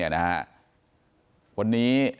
วันนี้